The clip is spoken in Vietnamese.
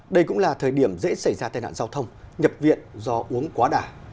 đây cũng là thời điểm dễ xảy ra tai nạn giao thông nhập viện do uống quá đả